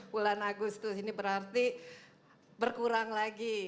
bulan agustus ini berarti berkurang lagi